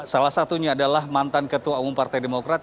salah satunya adalah mantan ketua umum partai demokrat